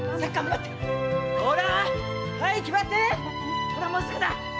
ほらもうすぐだ！